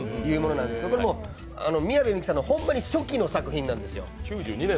これも宮部みゆきさんの本当に初期の作品なんですよ。